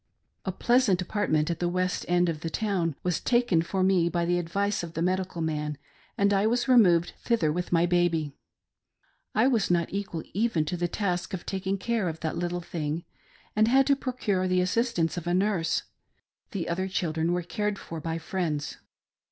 A pleasant apartment at the west end of the town was taken for me, by the advice of the" medical man, and I was removed thither with my baby. I was not equal even to the task of taking care of that little thing, and had to procure the assistance of a nurse ; the other children were cared for by friends.